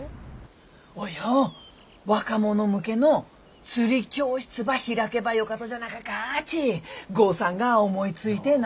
およ若者向けの釣り教室ば開けばよかとじゃなかかっち豪さんが思いついてな。